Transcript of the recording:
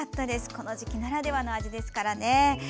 この時期ならではの味ですからね。